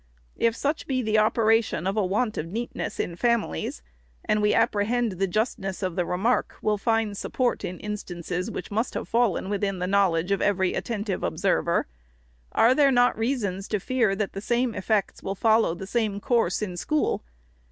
If such be the opera tion of a want of neatness in families, and we apprehend the justness of the remark will find support in instances which must have fallen within the knowledge of every attentive observer, are there not reasons to fear, that the same effects will follow the same course in school